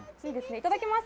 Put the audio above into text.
いただきます。